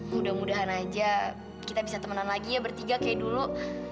mudah mudahan aja kita bisa temenan lagi ya bertiga kayak dulu